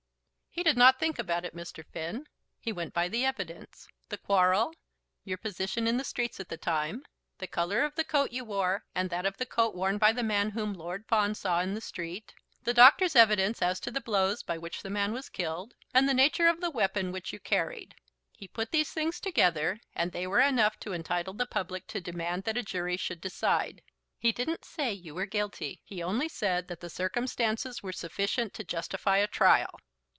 "He did not think about it, Mr. Finn. He went by the evidence; the quarrel, your position in the streets at the time, the colour of the coat you wore and that of the coat worn by the man whom Lord Fawn saw in the street; the doctor's evidence as to the blows by which the man was killed; and the nature of the weapon which you carried. He put these things together, and they were enough to entitle the public to demand that a jury should decide. He didn't say you were guilty. He only said that the circumstances were sufficient to justify a trial."